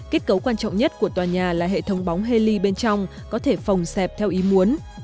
kết cấu quan trọng nhất của tòa nhà là hệ thống bóng haley bên trong có thể phòng xẹp theo ý muốn